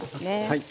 はい。